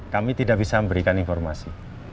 kami tidak bisa memberikan informasi